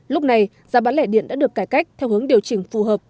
lúc này giá bán lẻ điện đã được cải cách theo hướng điều chỉnh phù hợp